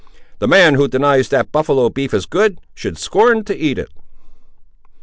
"The man who denies that buffaloe beef is good, should scorn to eat it!"